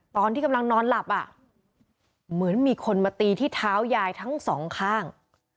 ตอนที่กำลังนอนหลับอ่ะเหมือนมีคนมาตีที่เท้ายายทั้งสองข้าง